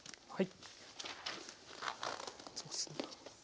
はい。